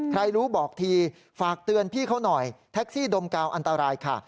รู้บอกทีฝากเตือนพี่เขาหน่อยแท็กซี่ดมกาวอันตรายค่ะ